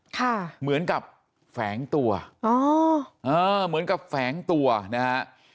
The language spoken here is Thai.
ค่ะเหมือนกับแฝงตัวอ๋อเออเหมือนกับแฝงตัวนะฮะ